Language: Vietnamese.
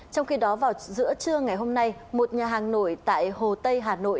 trong khi đó vào giữa trưa ngày hôm nay một nhà hàng nổi tại hồ tây hà nội